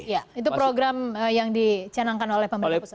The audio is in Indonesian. ya itu program yang dicanangkan oleh pemerintah pusat